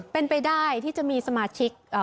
เป็นไปได้ที่จะมีสมาชิก